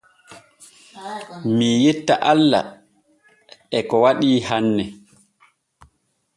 Mii yetta alla e ko waɗi hanne.